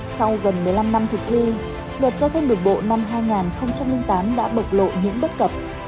sau gần một mươi năm năm thực thi luật giao thông đường bộ năm hai nghìn tám đã bộc lộ những bất cập